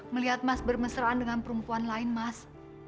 melihat mas bermesraan dengan perempuan lain mas